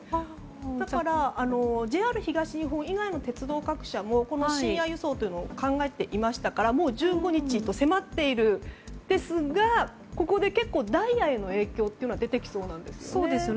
だからＪＲ東日本以外の鉄道各社もこの深夜輸送を考えていましたからもう１５日と迫っていますのでここで結構ダイヤへの影響が出てくるわけですね。